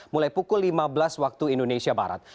mulai pukul lima belas waktu indonesia barat